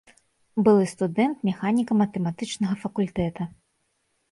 Былы студэнт механіка-матэматычнага факультэта.